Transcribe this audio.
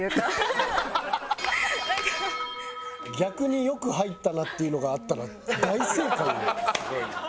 「逆によく入ったな」っていうのがあったら大正解よ。